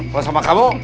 kalau sama kamu